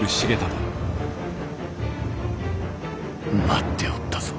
待っておったぞ。